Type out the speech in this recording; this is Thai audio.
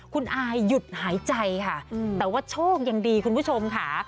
คุณอายหยุดหายใจค่ะแต่ว่าโชคยังดีคุณผู้ชมค่ะ